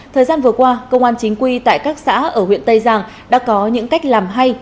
thời gian vừa qua công an chính quy tại các xã ở huyện tây giang đã có những cách làm hay